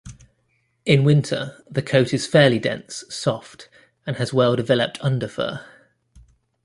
In winter, the coat is fairly dense, soft, and has well-developed underfur.